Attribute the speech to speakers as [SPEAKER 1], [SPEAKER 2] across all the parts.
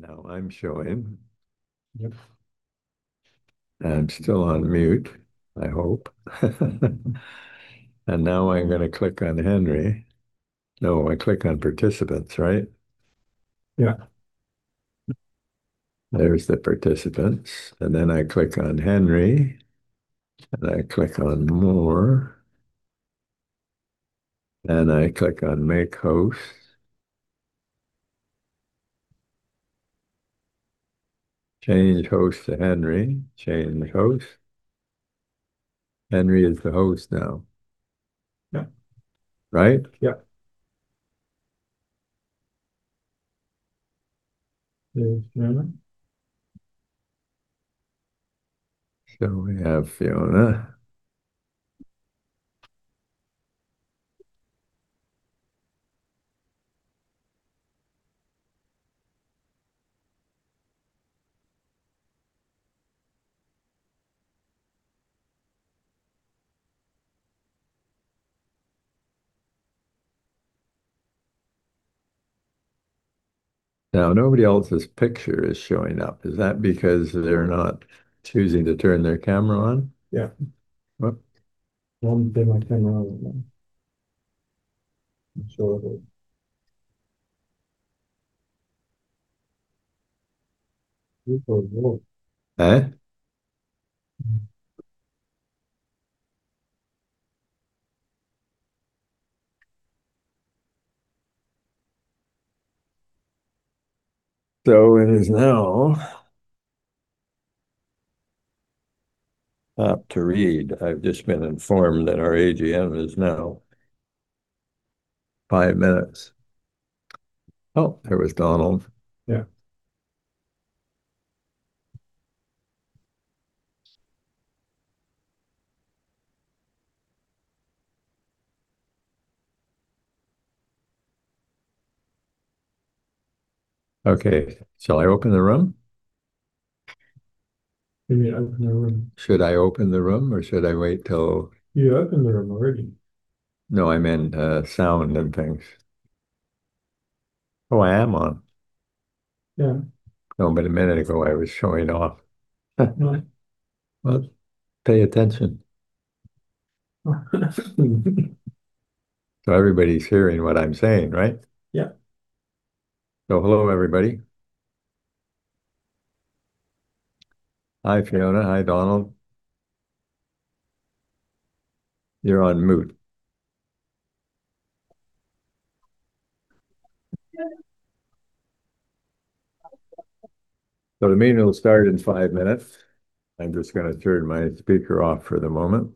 [SPEAKER 1] Now I'm showing.
[SPEAKER 2] Yep.
[SPEAKER 1] I'm still on mute, I hope. Now I'm going to click on Henry. No, I click on participants, right?
[SPEAKER 2] Yeah.
[SPEAKER 1] There's the participants. I click on Henry, and I click on More, and I click on make host. Change host to Henry. Change host. Henry is the host now.
[SPEAKER 2] Yeah.
[SPEAKER 1] Right?
[SPEAKER 2] Yeah. There's Fiona.
[SPEAKER 1] We have Fiona. Now, nobody else's picture is showing up. Is that because they're not choosing to turn their camera on?
[SPEAKER 2] Yeah.
[SPEAKER 1] What?
[SPEAKER 2] I didn't turn my camera on. I'm sure it was.
[SPEAKER 1] It is now up to read. I've just been informed that our AGM is now five minutes. Oh, there was Donald.
[SPEAKER 2] Yeah.
[SPEAKER 1] Okay. Shall I open the room?
[SPEAKER 2] You need to open the room.
[SPEAKER 1] Should I open the room, or should I wait till?
[SPEAKER 2] You open the room already.
[SPEAKER 1] No, I meant sound and things. Oh, I am on.
[SPEAKER 2] Yeah.
[SPEAKER 1] No, but a minute ago, I was showing off.
[SPEAKER 2] What?
[SPEAKER 1] What? Pay attention. Everybody's hearing what I'm saying, right?
[SPEAKER 2] Yeah.
[SPEAKER 1] Hello, everybody. Hi, Fiona. Hi, Donald. You're on mute. The meeting will start in five minutes. I'm just going to turn my speaker off for the moment. Thank you.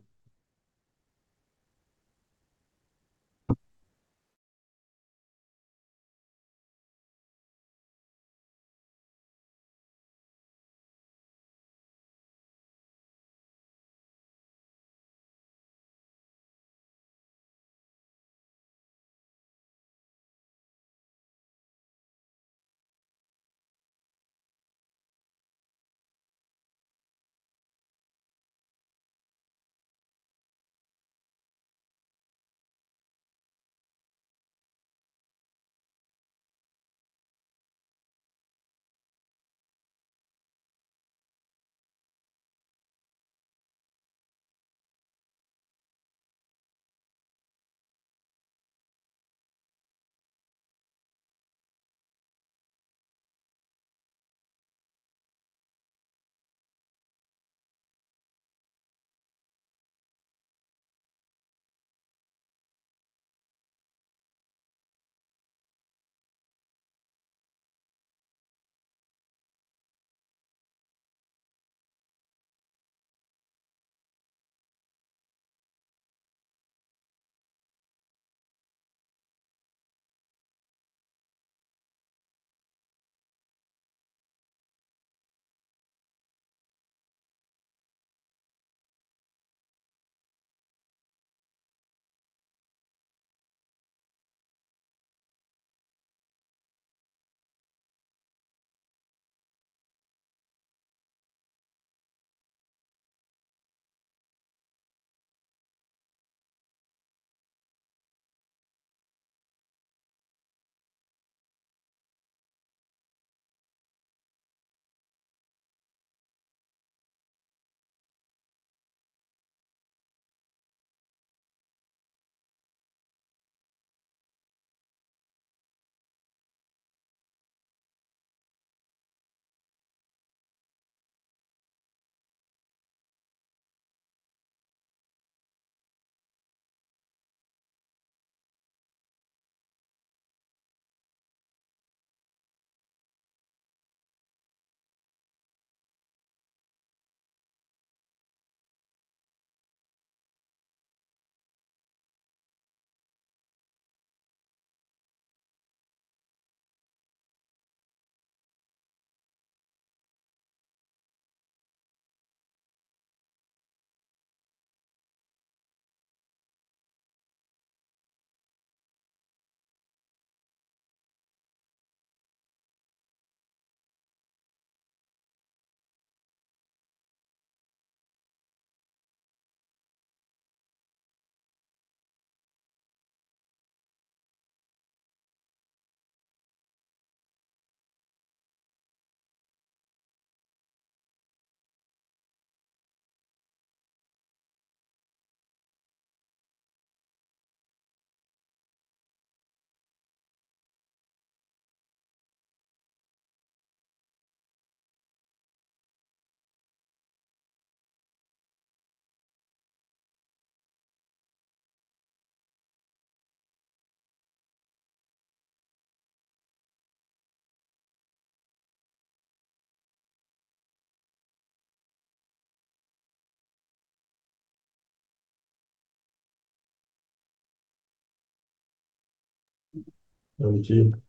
[SPEAKER 1] Morning,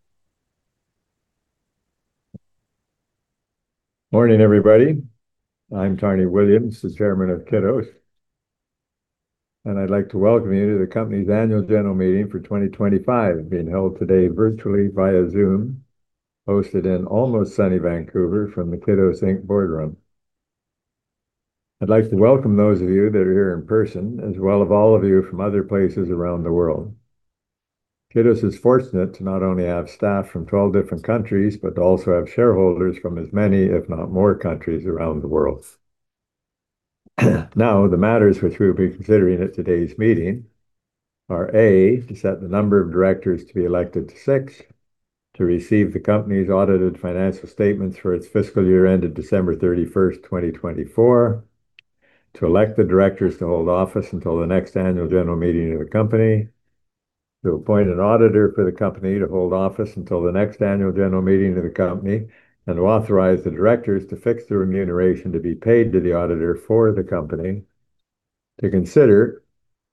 [SPEAKER 1] everybody. I'm Tyron Williams, the Chairman of Kidoz, and I'd like to welcome you to the company's annual general meeting for 2025, being held today virtually via Zoom, hosted in almost sunny Vancouver from the Kidoz Inc boardroom. I'd like to welcome those of you that are here in person, as well as all of you from other places around the world. Kidoz is fortunate to not only have staff from 12 different countries, but to also have shareholders from as many, if not more, countries around the world. Now, the matters which we will be considering at today's meeting are: A, to set the number of directors to be elected to six, to receive the company's audited financial statements for its fiscal year ended December 31, 2024, to elect the directors to hold office until the next annual general meeting of the company, to appoint an auditor for the company to hold office until the next annual general meeting of the company, and to authorize the directors to fix the remuneration to be paid to the auditor for the company, to consider,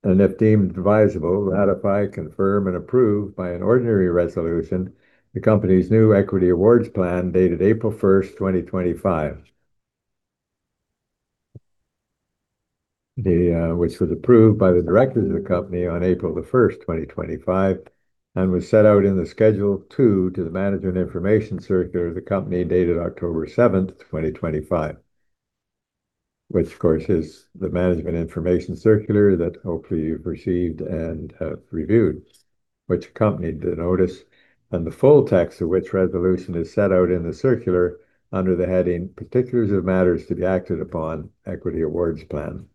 [SPEAKER 1] and if deemed advisable, ratify, confirm, and approve by an ordinary resolution the company's new Equity Awards Plan dated April 1, 2025, which was approved by the directors of the company on April 1, 2025, and was set out in the Schedule II to the Management Information Circular of the company dated October 7, 2025, which, of course, is the management information circular that hopefully you've received and have reviewed, which accompanied the notice and the full text of which resolution is set out in the circular under the heading "Particulars of Matters to Be Acted Upon Equity Awards Plan."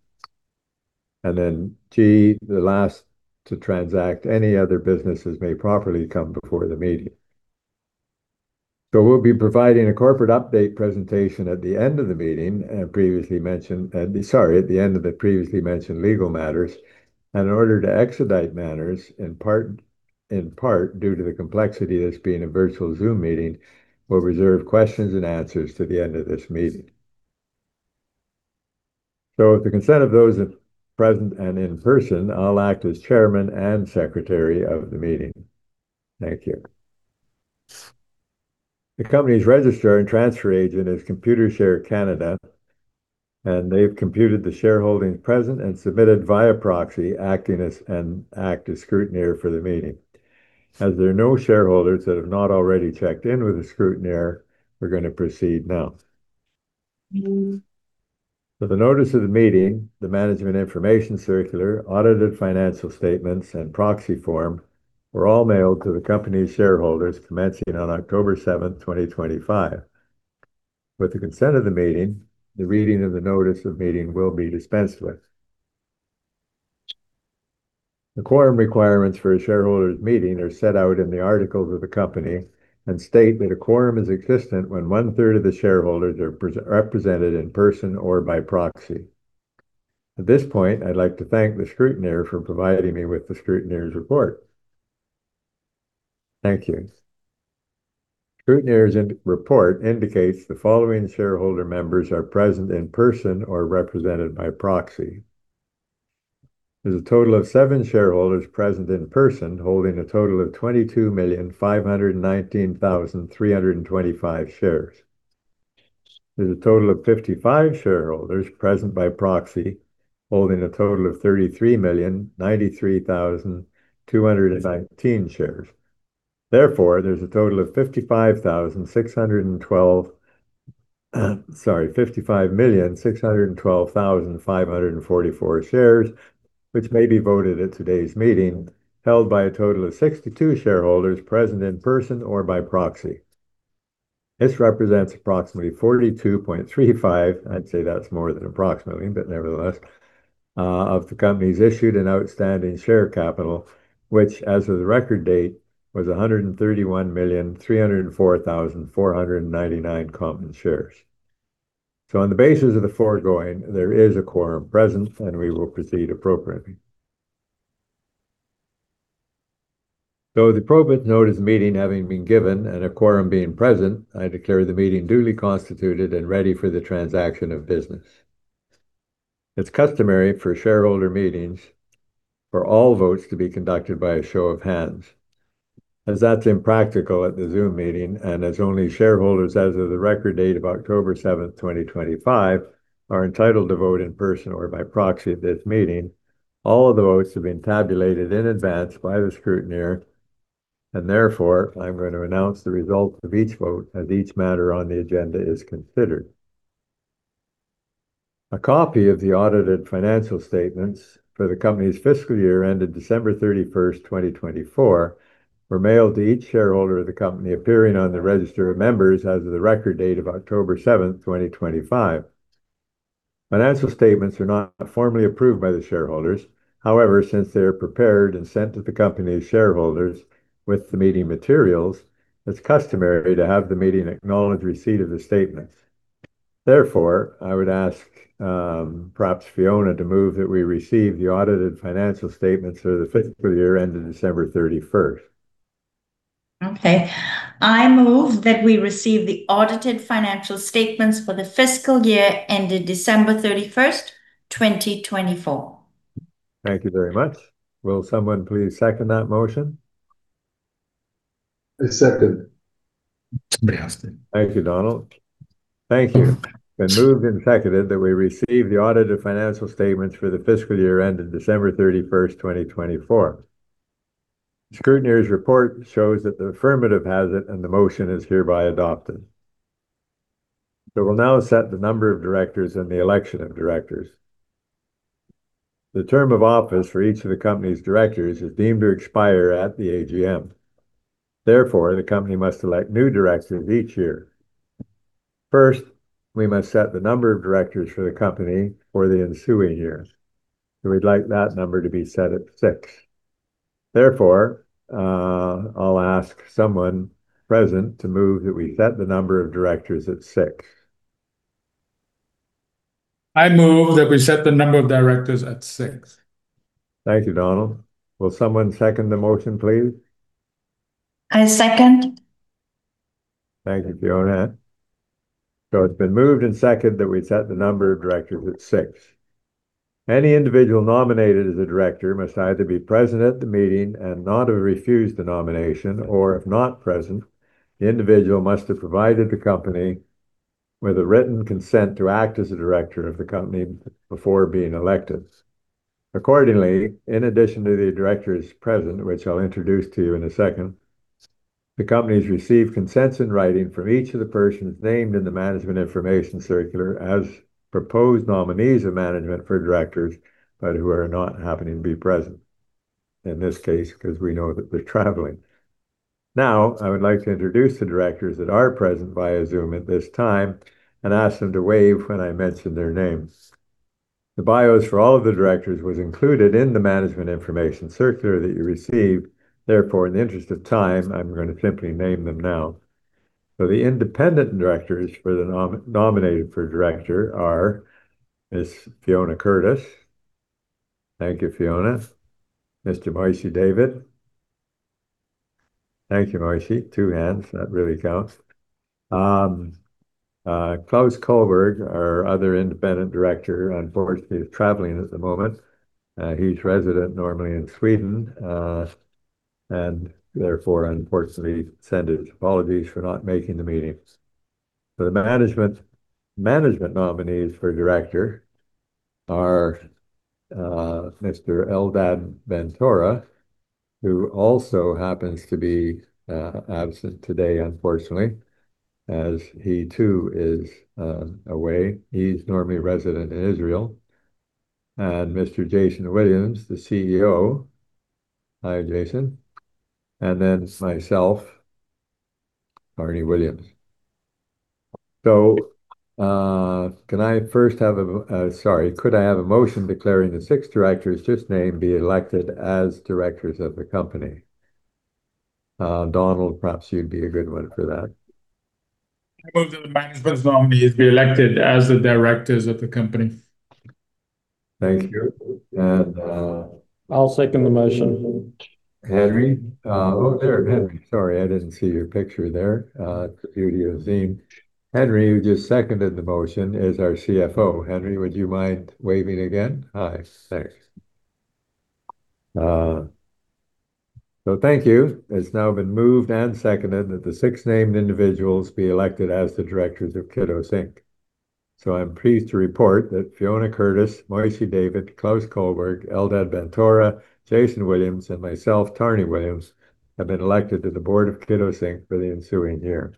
[SPEAKER 1] The last is to transact, "Any other businesses may properly come before the meeting." We'll be providing a corporate update presentation at the end of the meeting, and previously mentioned—sorry, at the end of the previously mentioned legal matters. In order to expedite matters, in part due to the complexity of this being a virtual Zoom meeting, we'll reserve questions and answers to the end of this meeting. With the consent of those present and in person, I'll act as Chairman and Secretary of the meeting. Thank you. The company's registrar and transfer agent is Computershare Canada, and they've computed the shareholdings present and submitted via proxy, acting as an active scrutineer for the meeting. As there are no shareholders that have not already checked in with a scrutineer, we're going to proceed now. For the notice of the meeting, the management information circular, audited financial statements, and proxy form were all mailed to the company's shareholders commencing on October 7, 2025. With the consent of the meeting, the reading of the notice of meeting will be dispensed with. The quorum requirements for a shareholders' meeting are set out in the articles of the company and state that a quorum is existent when 1/3 of the shareholders are represented in person or by proxy. At this point, I'd like to thank the scrutineer for providing me with the scrutineer's report. Thank you. The scrutineer's report indicates the following shareholder members are present in person or represented by proxy. There's a total of seven shareholders present in person, holding a total of 22,519,325 shares. There's a total of 55 shareholders present by proxy, holding a total of 33,093,219 shares. Therefore, there's a total of 55,612,544 shares, which may be voted at today's meeting, held by a total of 62 shareholders present in person or by proxy. This represents approximately 42.35%—I'd say that's more than approximately, but nevertheless—of the company's issued and outstanding share capital, which, as of the record date, was 131,304,499 common shares. On the basis of the foregoing, there is a quorum present, and we will proceed appropriately. With the probate notice meeting having been given and a quorum being present, I declare the meeting duly constituted and ready for the transaction of business. It's customary for shareholder meetings for all votes to be conducted by a show of hands, as that's impractical at the Zoom meeting, and as only shareholders, as of the record date of October 7, 2025, are entitled to vote in person or by proxy at this meeting. All of the votes have been tabulated in advance by the scrutineer, and therefore, I'm going to announce the results of each vote as each matter on the agenda is considered. A copy of the audited financial statements for the company's fiscal year ended December 31, 2024, were mailed to each shareholder of the company appearing on the register of members as of the record date of October 7, 2025. Financial statements are not formally approved by the shareholders. However, since they are prepared and sent to the company's shareholders with the meeting materials, it's customary to have the meeting acknowledge receipt of the statements. Therefore, I would ask perhaps Fiona to move that we receive the audited financial statements for the fiscal year ended December 31.
[SPEAKER 3] Okay. I move that we receive the audited financial statements for the fiscal year ended December 31, 2024.
[SPEAKER 1] Thank you very much. Will someone please second that motion?
[SPEAKER 2] I second. Somebody has to.
[SPEAKER 1] Thank you, Donald. Thank you. I move and seconded that we receive the audited financial statements for the fiscal year ended December 31, 2024. The scrutineer's report shows that the affirmative has it, and the motion is hereby adopted. We will now set the number of directors and the election of directors. The term of office for each of the company's directors is deemed to expire at the AGM. Therefore, the company must elect new directors each year. First, we must set the number of directors for the company for the ensuing year. We would like that number to be set at six. Therefore, I'll ask someone present to move that we set the number of directors at six.
[SPEAKER 2] I move that we set the number of directors at six.
[SPEAKER 1] Thank you, Donald. Will someone second the motion, please?
[SPEAKER 3] I second.
[SPEAKER 1] Thank you, Fiona. It has been moved and seconded that we set the number of directors at six. Any individual nominated as a director must either be present at the meeting and not have refused the nomination, or if not present, the individual must have provided the company with a written consent to act as a director of the company before being elected. Accordingly, in addition to the directors present, which I will introduce to you in a second, the company has received consents in writing from each of the persons named in the management information circular as proposed nominees of management for directors, but who are not happening to be present in this case because we know that they are traveling. Now, I would like to introduce the directors that are present via Zoom at this time and ask them to wave when I mention their names. The bios for all of the directors were included in the Management Information Circular that you received. Therefore, in the interest of time, I'm going to simply name them now. The independent directors nominated for director are Ms. Fiona Curtis. Thank you, Fiona. Mr. Moshe David. Thank you, Moshe. Two hands. That really counts. Claes Kalborg, our other independent director, unfortunately, is traveling at the moment. He's resident normally in Sweden and therefore, unfortunately, sends his apologies for not making the meeting. The management nominees for director are Mr. Eldad Ben-Tora, who also happens to be absent today, unfortunately, as he too is away. He's normally resident in Israel. Mr. Jason Williams, the CEO. Hi, Jason. Myself, Tarrnie Williams. Could I have a motion declaring the six directors just named be elected as directors of the company? Donald, perhaps you'd be a good one for that.
[SPEAKER 2] I move that the management nominees be elected as the directors of the company.
[SPEAKER 1] Thank you.
[SPEAKER 4] I'll second the motion.
[SPEAKER 1] Henry. Oh, there's Henry. Sorry, I didn't see your picture there. It's a beauty of a theme. Henry, who just seconded the motion, is our CFO. Henry, would you mind waving again? Hi. Thanks. Thank you. It has now been moved and seconded that the six named individuals be elected as the directors of Kidoz Inc. I am pleased to report that Fiona Curtis, Moshe David, Claes Kalborg, Eldad Ben-Tora, Jason Williams, and myself, Tarrnie Williams, have been elected to the board of Kidoz Inc. for the ensuing year.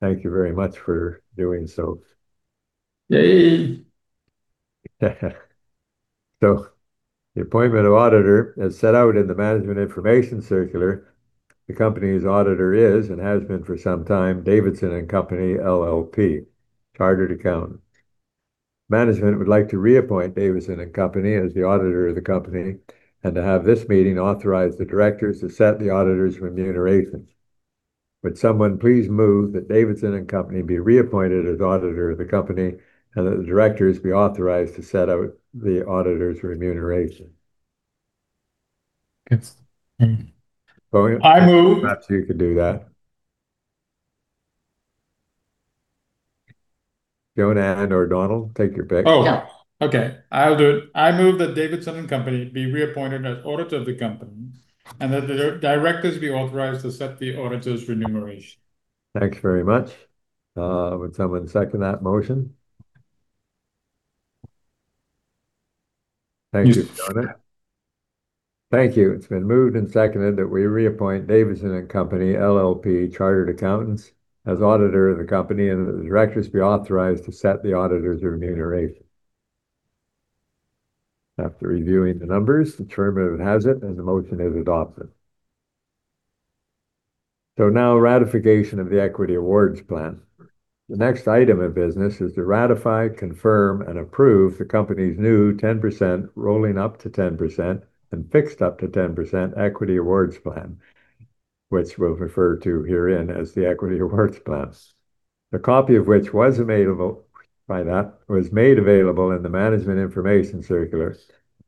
[SPEAKER 1] Thank you very much for doing so.
[SPEAKER 2] Yay.
[SPEAKER 1] The appointment of auditor is set out in the Management Information Circular. The company's auditor is and has been for some time, Davidson & Company LLP, Chartered Accountants. Management would like to reappoint Davidson & Company as the auditor of the company and to have this meeting authorize the directors to set the auditor's remuneration. Would someone please move that Davidson & Company be reappointed as auditor of the company and that the directors be authorized to set out the auditor's remuneration?
[SPEAKER 2] Yes.
[SPEAKER 1] Go ahead.
[SPEAKER 2] I move.
[SPEAKER 1] Perhaps you could do that. Fiona or Donald, take your pick.
[SPEAKER 2] Oh, yeah. Okay. I'll do it. I move that Davidson & Company be reappointed as auditor of the company and that the directors be authorized to set the auditor's remuneration.
[SPEAKER 1] Thanks very much. Would someone second that motion? Thank you, Fiona. Thank you. It's been moved and seconded that we reappoint Davidson & Company LLP, Chartered Accountants, as auditor of the company and that the directors be authorized to set the auditor's remuneration. After reviewing the numbers, the term of it has it, and the motion is adopted. Now, ratification of the equity awards plan. The next item of business is to ratify, confirm, and approve the company's new 10%, rolling up to 10%, and fixed up to 10% equity awards plan, which we'll refer to herein as the equity awards plan. A copy of which was made available in the management information circular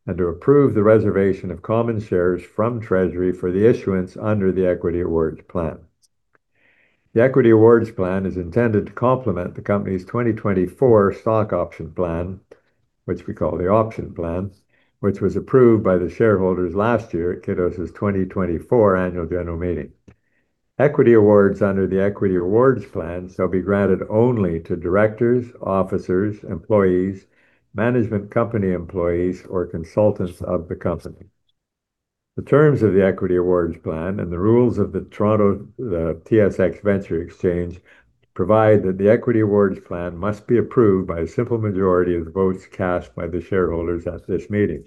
[SPEAKER 1] and to approve the reservation of common shares from treasury for the issuance under the equity awards plan. The equity awards plan is intended to complement the company's 2024 stock option plan, which we call the option plan, which was approved by the shareholders last year at Kidoz's 2024 annual general meeting. Equity awards under the equity awards plan shall be granted only to directors, officers, employees, management company employees, or consultants of the company. The terms of the equity awards plan and the rules of the Toronto TSX Venture Exchange provide that the equity awards plan must be approved by a simple majority of the votes cast by the shareholders at this meeting.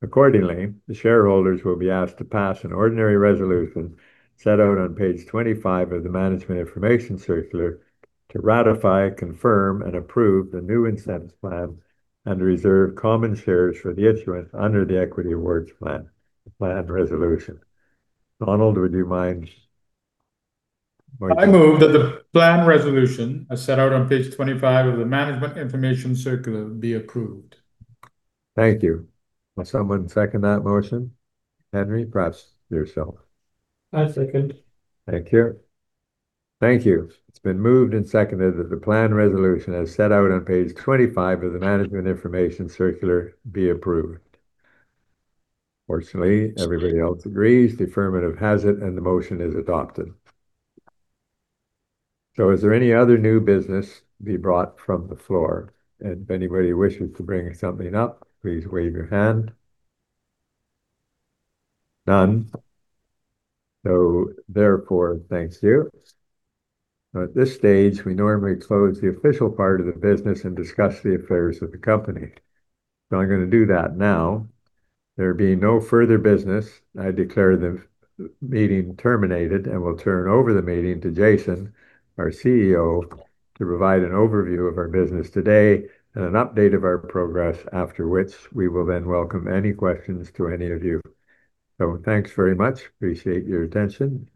[SPEAKER 1] Accordingly, the shareholders will be asked to pass an ordinary resolution set out on page 25 of the management information circular to ratify, confirm, and approve the new incentive plan and reserve common shares for the issuance under the equity awards plan, plan resolution. Donald, would you mind?
[SPEAKER 2] I move that the plan resolution set out on page 25 of the Management Information Circular be approved.
[SPEAKER 1] Thank you. Will someone second that motion? Henry, perhaps yourself.
[SPEAKER 4] I second.
[SPEAKER 1] Thank you. Thank you. It's been moved and seconded that the plan resolution as set out on page 25 of the Management Information Circular be approved. Fortunately, everybody else agrees. The affirmative has it, and the motion is adopted. Is there any other new business to be brought from the floor? If anybody wishes to bring something up, please wave your hand. None. Therefore, thanks to you. At this stage, we normally close the official part of the business and discuss the affairs of the company. I'm going to do that now. There being no further business, I declare the meeting terminated and will turn over the meeting to Jason, our CEO, to provide an overview of our business today and an update of our progress, after which we will then welcome any questions to any of you. Thanks very much. Appreciate your attention.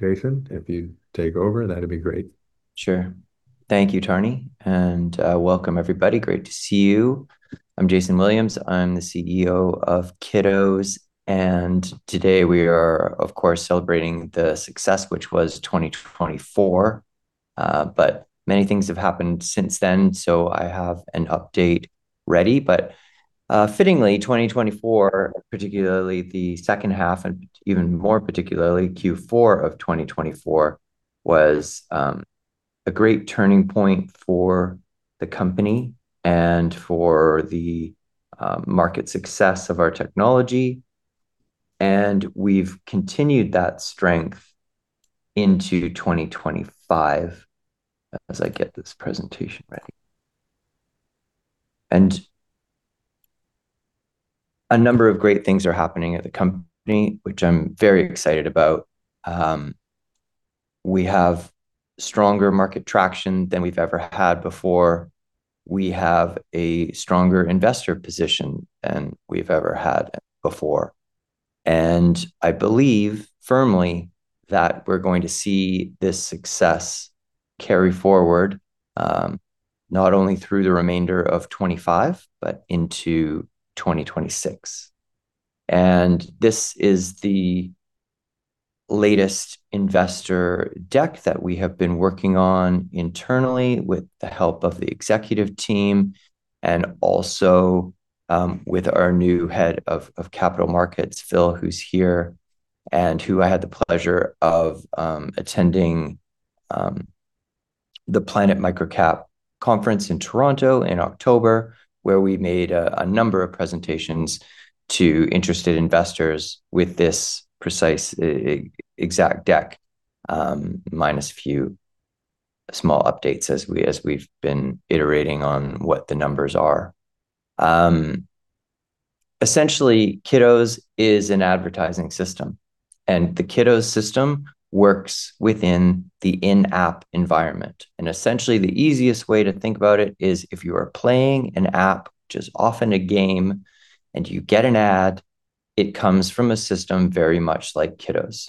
[SPEAKER 1] Jason, if you take over, that'd be great.
[SPEAKER 5] Sure. Thank you, Tarrnie. Welcome, everybody. Great to see you. I'm Jason Williams. I'm the CEO of Kidoz. Today we are, of course, celebrating the success, which was 2024. Many things have happened since then, so I have an update ready. Fittingly, 2024, particularly the second half, and even more particularly, Q4 of 2024, was a great turning point for the company and for the market success of our technology. We have continued that strength into 2025 as I get this presentation ready. A number of great things are happening at the company, which I'm very excited about. We have stronger market traction than we've ever had before. We have a stronger investor position than we've ever had before. I believe firmly that we're going to see this success carry forward not only through the remainder of 2025, but into 2026. This is the latest investor deck that we have been working on internally with the help of the executive team and also with our new head of capital markets, Phil, who's here and who I had the pleasure of attending the Planet MicroCap Conference in Toronto in October, where we made a number of presentations to interested investors with this precise, exact deck, minus a few small updates as we've been iterating on what the numbers are. Essentially, Kidoz is an advertising system. The Kidoz system works within the in-app environment. Essentially, the easiest way to think about it is if you are playing an app, which is often a game, and you get an ad, it comes from a system very much like Kidoz.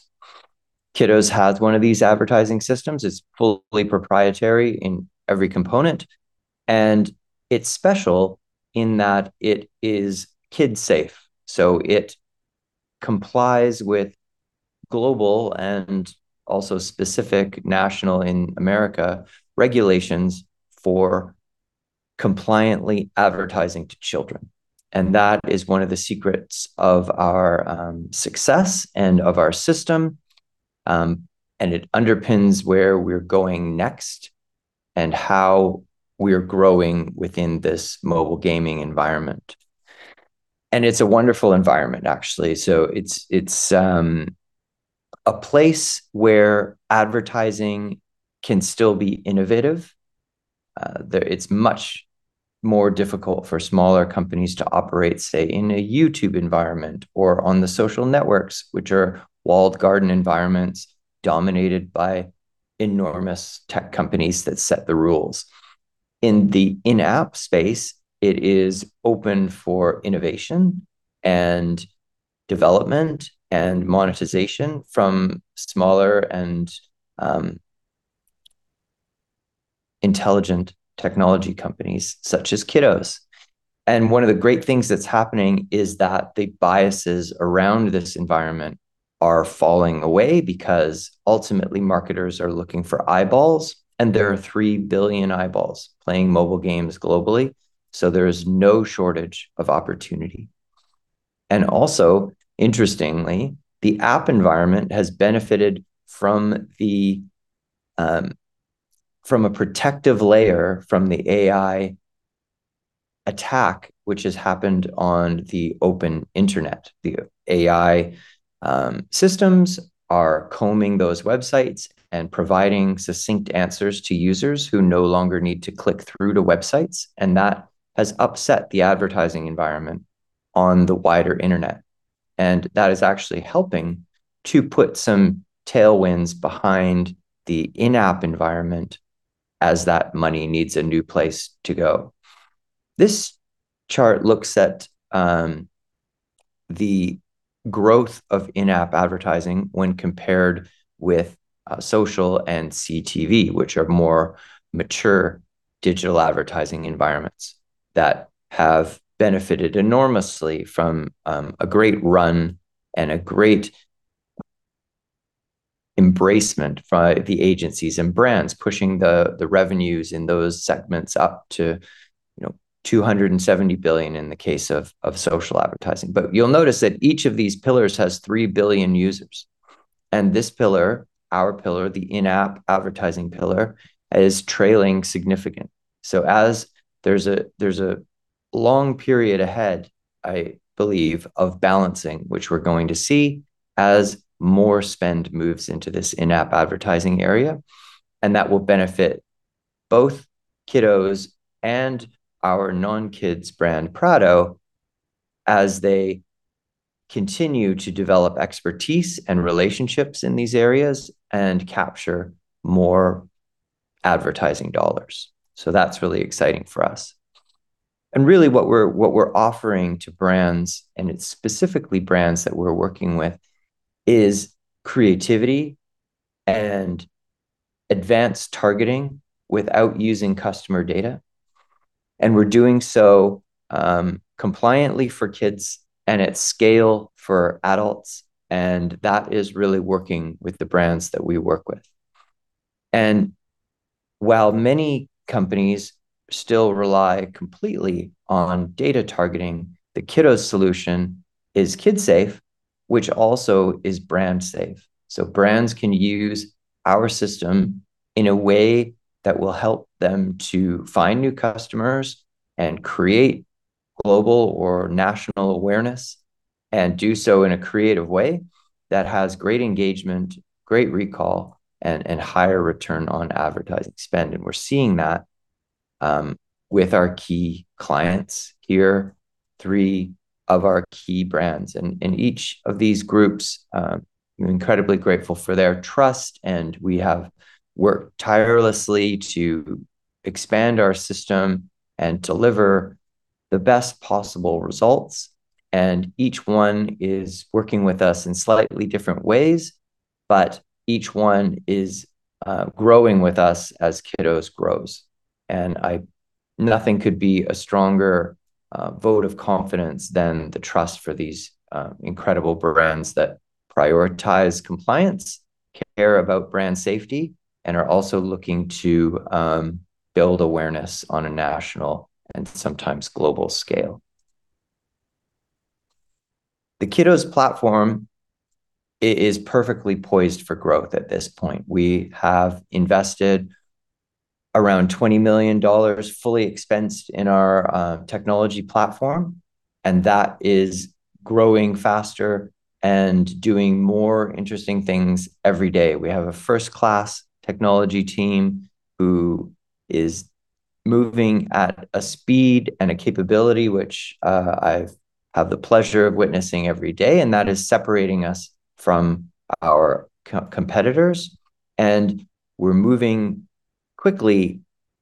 [SPEAKER 5] Kidoz has one of these advertising systems. It's fully proprietary in every component. It's special in that it is kid-safe. It complies with global and also specific national in America regulations for compliantly advertising to children. That is one of the secrets of our success and of our system. It underpins where we're going next and how we're growing within this mobile gaming environment. It's a wonderful environment, actually. It's a place where advertising can still be innovative. It's much more difficult for smaller companies to operate, say, in a YouTube environment or on the social networks, which are walled garden environments dominated by enormous tech companies that set the rules. In the in-app space, it is open for innovation and development and monetization from smaller and intelligent technology companies such as Kidoz. One of the great things that's happening is that the biases around this environment are falling away because ultimately, marketers are looking for eyeballs, and there are 3 billion eyeballs playing mobile games globally. There is no shortage of opportunity. Also, interestingly, the app environment has benefited from a protective layer from the AI attack, which has happened on the open internet. The AI systems are combing those websites and providing succinct answers to users who no longer need to click through to websites. That has upset the advertising environment on the wider internet. That is actually helping to put some tailwinds behind the in-app environment as that money needs a new place to go. This chart looks at the growth of in-app advertising when compared with social and CTV, which are more mature digital advertising environments that have benefited enormously from a great run and a great embracement by the agencies and brands, pushing the revenues in those segments up to 270 billion in the case of social advertising. You'll notice that each of these pillars has 3 billion users. This pillar, our pillar, the in-app advertising pillar, is trailing significantly. As there's a long period ahead, I believe, of balancing, which we're going to see as more spend moves into this in-app advertising area. That will benefit both Kidoz and our non-kids brand, Prado, as they continue to develop expertise and relationships in these areas and capture more advertising dollars. That's really exciting for us. What we're offering to brands, and it's specifically brands that we're working with, is creativity and advanced targeting without using customer data. We're doing so compliantly for kids and at scale for adults. That is really working with the brands that we work with. While many companies still rely completely on data targeting, the Kidoz solution is kid-safe, which also is brand-safe. Brands can use our system in a way that will help them to find new customers and create global or national awareness and do so in a creative way that has great engagement, great recall, and higher return on advertising spend. We're seeing that with our key clients here, three of our key brands. Each of these groups, we're incredibly grateful for their trust. We have worked tirelessly to expand our system and deliver the best possible results. Each one is working with us in slightly different ways, but each one is growing with us as Kidoz grows. Nothing could be a stronger vote of confidence than the trust from these incredible brands that prioritize compliance, care about brand safety, and are also looking to build awareness on a national and sometimes global scale. The Kidoz platform is perfectly poised for growth at this point. We have invested around 20 million dollars fully expensed in our technology platform. That is growing faster and doing more interesting things every day. We have a first-class technology team who is moving at a speed and a capability which I have the pleasure of witnessing every day. That is separating us from our competitors. We're moving quickly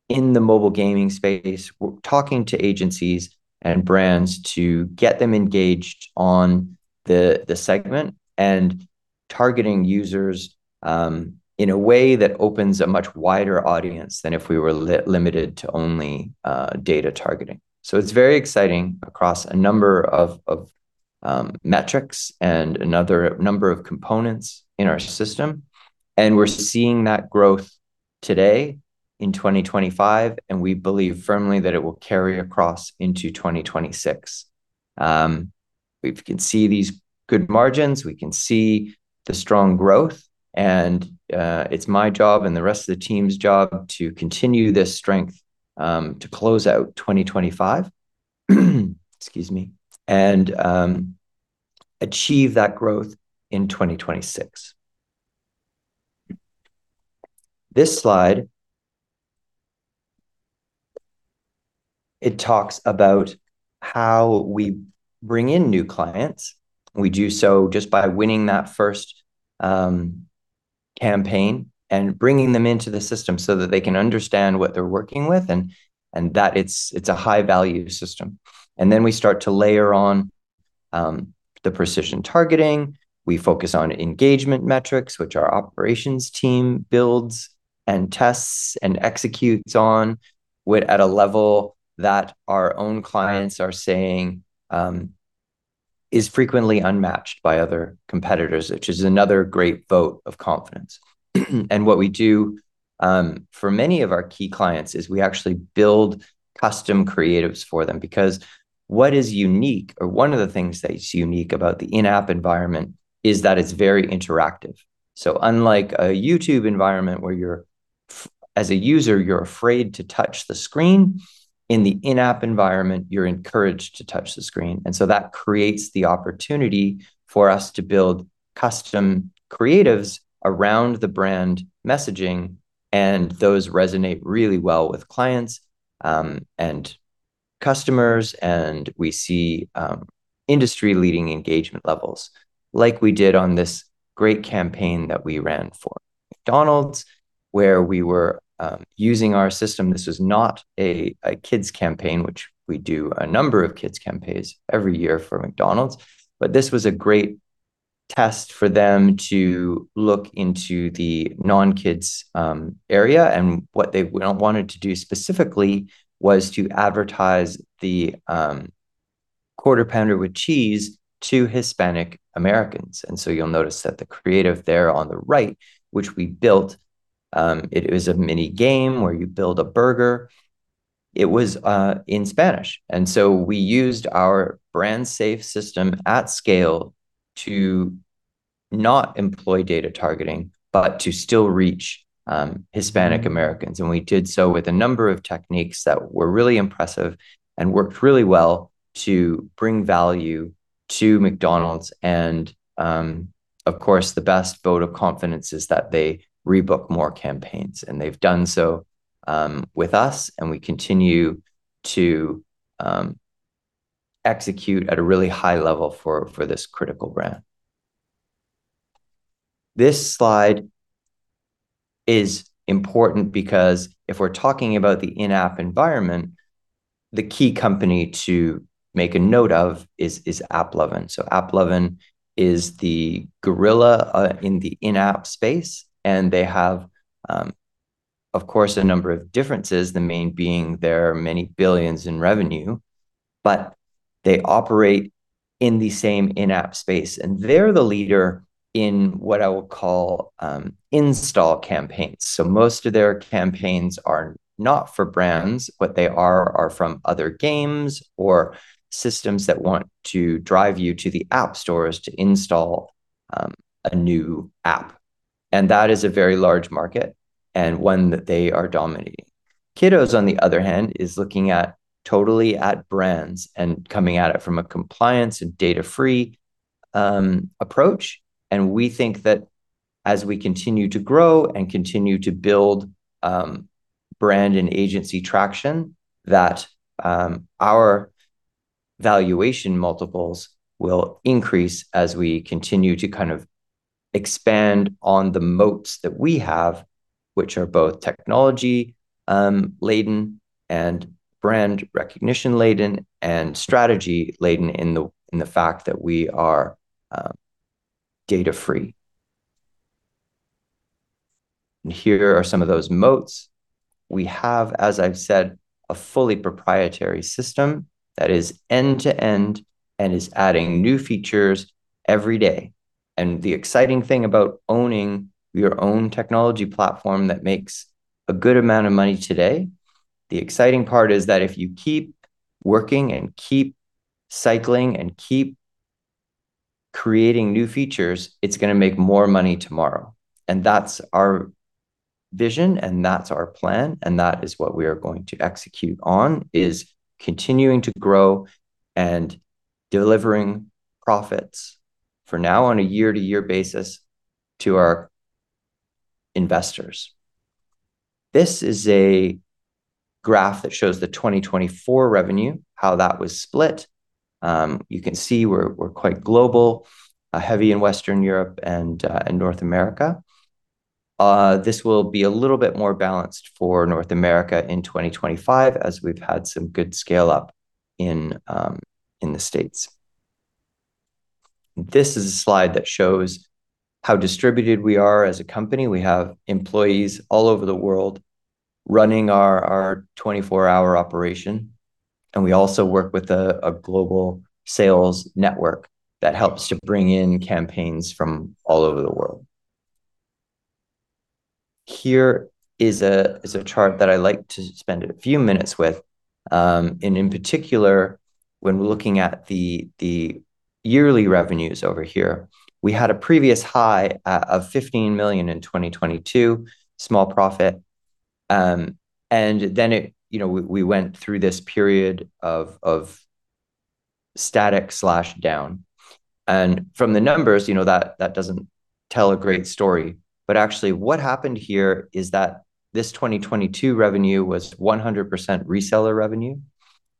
[SPEAKER 5] in the mobile gaming space. We're talking to agencies and brands to get them engaged on the segment and targeting users in a way that opens a much wider audience than if we were limited to only data targeting. It's very exciting across a number of metrics and another number of components in our system. We're seeing that growth today in 2025, and we believe firmly that it will carry across into 2026. We can see these good margins. We can see the strong growth. It's my job and the rest of the team's job to continue this strength to close out 2025, excuse me, and achieve that growth in 2026. This slide talks about how we bring in new clients. We do so just by winning that first campaign and bringing them into the system so that they can understand what they're working with and that it's a high-value system. We start to layer on the precision targeting. We focus on engagement metrics, which our operations team builds and tests and executes on at a level that our own clients are saying is frequently unmatched by other competitors, which is another great vote of confidence. What we do for many of our key clients is we actually build custom creatives for them because what is unique, or one of the things that's unique about the in-app environment, is that it's very interactive. Unlike a YouTube environment where, as a user, you're afraid to touch the screen, in the in-app environment, you're encouraged to touch the screen. That creates the opportunity for us to build custom creatives around the brand messaging. Those resonate really well with clients and customers. We see industry-leading engagement levels like we did on this great campaign that we ran for McDonald's, where we were using our system. This was not a kids' campaign, which we do a number of kids' campaigns every year for McDonald's. This was a great test for them to look into the non-kids area. What they wanted to do specifically was to advertise the Quarter Pounder with Cheese to Hispanic Americans. You'll notice that the creative there on the right, which we built, was a mini game where you build a burger. It was in Spanish. We used our brand-safe system at scale to not employ data targeting, but to still reach Hispanic Americans. We did so with a number of techniques that were really impressive and worked really well to bring value to McDonald's. Of course, the best vote of confidence is that they rebook more campaigns. They've done so with us. We continue to execute at a really high level for this critical brand. This slide is important because if we're talking about the in-app environment, the key company to make a note of is AppLovin. AppLovin is the gorilla in the in-app space. They have, of course, a number of differences, the main being there are many billions in revenue, but they operate in the same in-app space. They're the leader in what I will call install campaigns. Most of their campaigns are not for brands, but they are from other games or systems that want to drive you to the app stores to install a new app. That is a very large market and one that they are dominating. Kidoz, on the other hand, is looking totally at brands and coming at it from a compliance and data-free approach. We think that as we continue to grow and continue to build brand and agency traction, our valuation multiples will increase as we continue to kind of expand on the moats that we have, which are both technology-laden and brand recognition-laden and strategy-laden in the fact that we are data-free. Here are some of those moats. We have, as I've said, a fully proprietary system that is end-to-end and is adding new features every day. The exciting thing about owning your own technology platform that makes a good amount of money today, the exciting part is that if you keep working and keep cycling and keep creating new features, it's going to make more money tomorrow. That's our vision, and that's our plan. That is what we are going to execute on, is continuing to grow and delivering profits for now on a year-to-year basis to our investors. This is a graph that shows the 2024 revenue, how that was split. You can see we're quite global, heavy in Western Europe and North America. This will be a little bit more balanced for North America in 2025, as we've had some good scale-up in the States. This is a slide that shows how distributed we are as a company. We have employees all over the world running our 24-hour operation. We also work with a global sales network that helps to bring in campaigns from all over the world. Here is a chart that I like to spend a few minutes with. In particular, when we're looking at the yearly revenues over here, we had a previous high of $15 million in 2022, small profit. We went through this period of static slash down. From the numbers, that doesn't tell a great story. Actually, what happened here is that this 2022 revenue was 100% reseller revenue.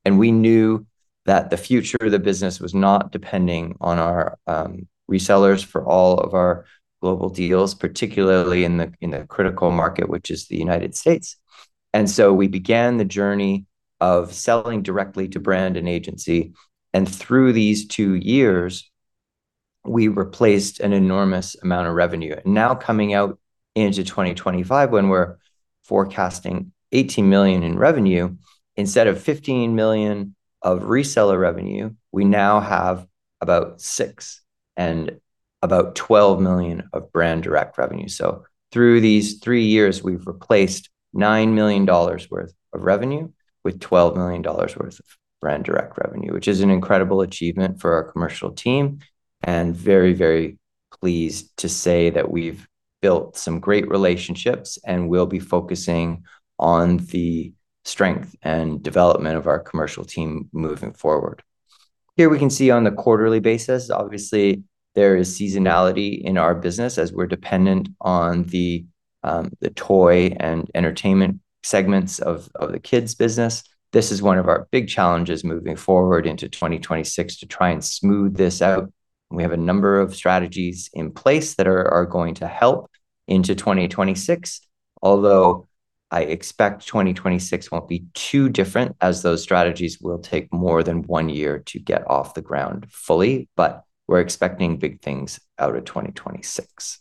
[SPEAKER 5] We knew that the future of the business was not depending on our resellers for all of our global deals, particularly in the critical market, which is the United States. We began the journey of selling directly to brand and agency. Through these two years, we replaced an enormous amount of revenue. Now coming out into 2025, when we're forecasting $18 million in revenue, instead of $15 million of reseller revenue, we now have about $6 million and about $12 million of brand direct revenue. Through these three years, we've replaced $9 million worth of revenue with $12 million worth of brand direct revenue, which is an incredible achievement for our commercial team. I am very, very pleased to say that we've built some great relationships and will be focusing on the strength and development of our commercial team moving forward. Here we can see on the quarterly basis, obviously, there is seasonality in our business as we're dependent on the toy and entertainment segments of the kids' business. This is one of our big challenges moving forward into 2026 to try and smooth this out. We have a number of strategies in place that are going to help into 2026, although I expect 2026 won't be too different as those strategies will take more than one year to get off the ground fully. We're expecting big things out of 2026.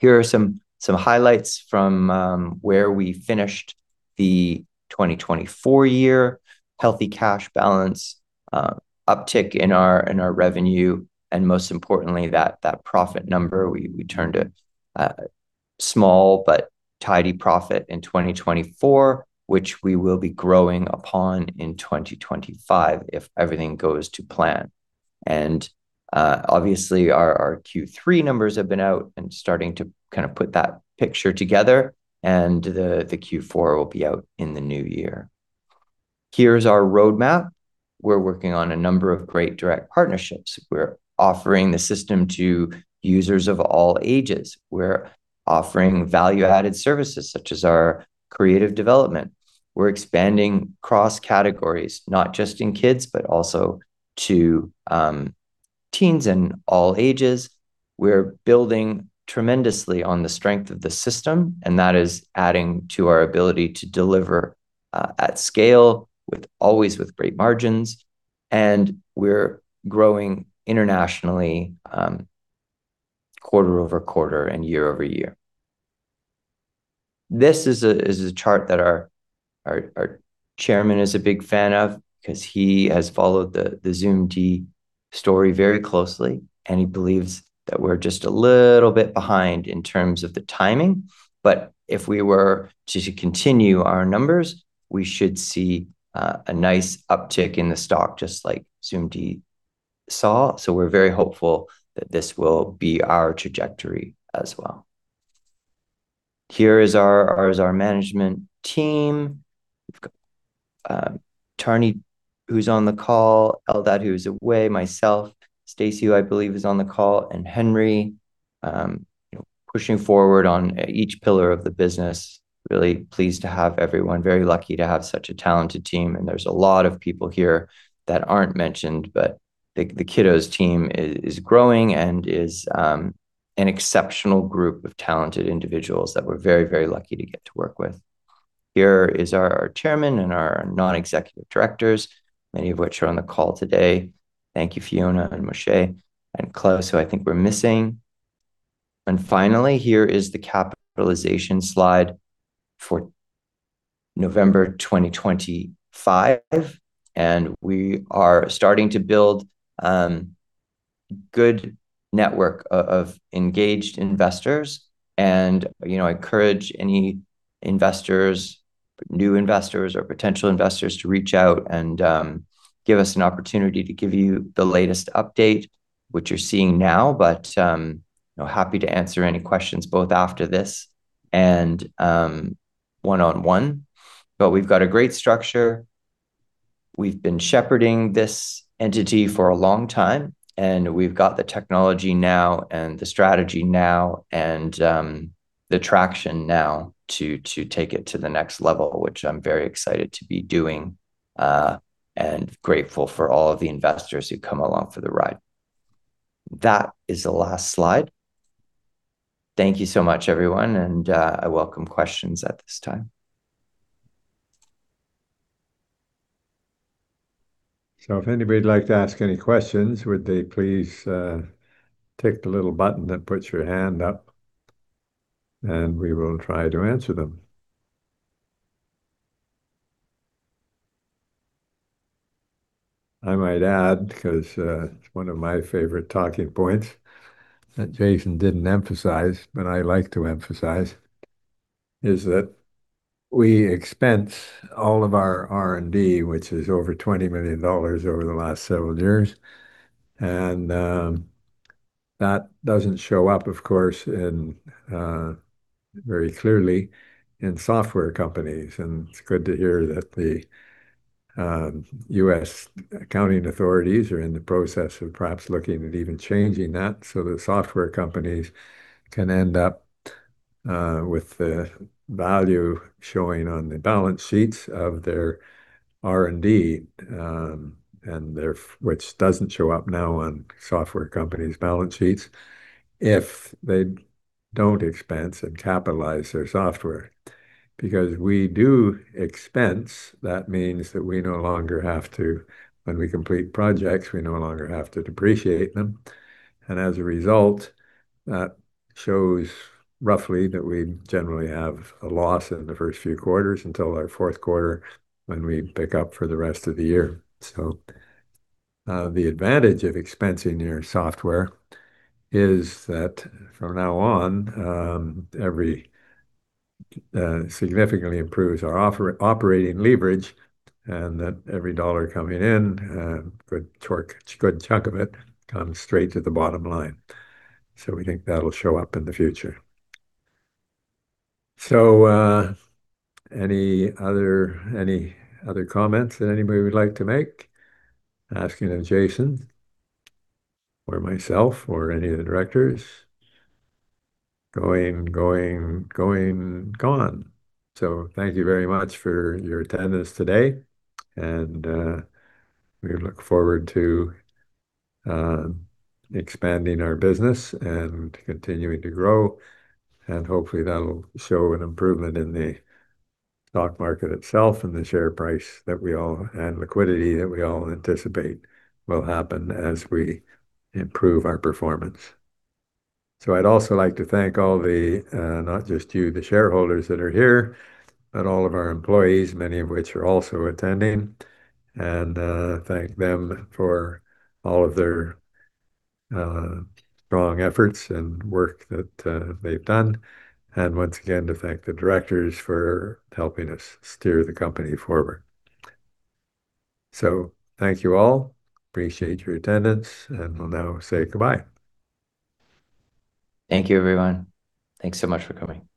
[SPEAKER 5] Here are some highlights from where we finished the 2024 year, healthy cash balance, uptick in our revenue, and most importantly, that profit number. We turned a small but tidy profit in 2024, which we will be growing upon in 2025 if everything goes to plan. Obviously, our Q3 numbers have been out and starting to kind of put that picture together. The Q4 will be out in the new year. Here is our roadmap. We are working on a number of great direct partnerships. We are offering the system to users of all ages. We are offering value-added services such as our creative development. We are expanding cross categories, not just in kids, but also to teens and all ages. We are building tremendously on the strength of the system. That is adding to our ability to deliver at scale always with great margins. We're growing internationally quarter-over-quarter and year-over-year. This is a chart that our Chairman is a big fan of because he has followed the Zoomd story very closely. He believes that we're just a little bit behind in terms of the timing. If we were to continue our numbers, we should see a nice uptick in the stock just like Zoomd saw. We're very hopeful that this will be our trajectory as well. Here is our management team. We've got Tarrnie who's on the call, Eldad, who is away, myself, Stacey, who I believe is on the call, and Henry pushing forward on each pillar of the business. Really pleased to have everyone. Very lucky to have such a talented team. There are a lot of people here that are not mentioned, but the Kidoz team is growing and is an exceptional group of talented individuals that we are very, very lucky to get to work with. Here is our Chairman and our non-executive directors, many of whom are on the call today. Thank you, Fiona and Moshe David and Claes, who I think we are missing. Finally, here is the capitalization slide for November 2025. We are starting to build a good network of engaged investors. I encourage any investors, new investors, or potential investors to reach out and give us an opportunity to give you the latest update, which you are seeing now. I am happy to answer any questions both after this and one-on-one. We have got a great structure. We have been shepherding this entity for a long time. We have the technology now and the strategy now and the traction now to take it to the next level, which I'm very excited to be doing and grateful for all of the investors who come along for the ride. That is the last slide. Thank you so much, everyone. I welcome questions at this time.
[SPEAKER 1] If anybody'd like to ask any questions, would they please tick the little button that puts your hand up? We will try to answer them. I might add, because it's one of my favorite talking points that Jason didn't emphasize, but I like to emphasize, is that we expense all of our R&D, which is over 20 million dollars over the last several years. That doesn't show up, of course, very clearly in software companies. It's good to hear that the U.S. accounting authorities are in the process of perhaps looking at even changing that so that software companies can end up with the value showing on the balance sheets of their R&D, which doesn't show up now on software companies' balance sheets if they don't expense and capitalize their software. Because we do expense, that means that we no longer have to, when we complete projects, we no longer have to depreciate them. As a result, that shows roughly that we generally have a loss in the first few quarters until our fourth quarter when we pick up for the rest of the year. The advantage of expensing your software is that from now on, it significantly improves our operating leverage and that every dollar coming in, a good chunk of it, comes straight to the bottom line. We think that'll show up in the future. Any other comments that anybody would like to make? Asking of Jason or myself or any of the directors? Going, going, going, gone. Thank you very much for your attendance today. We look forward to expanding our business and continuing to grow. Hopefully, that'll show an improvement in the stock market itself and the share price that we all and liquidity that we all anticipate will happen as we improve our performance. I'd also like to thank all the, not just you, the shareholders that are here, but all of our employees, many of which are also attending, and thank them for all of their strong efforts and work that they've done. Once again, to thank the directors for helping us steer the company forward. Thank you all. Appreciate your attendance. We'll now say goodbye.
[SPEAKER 5] Thank you, everyone. Thanks so much for coming.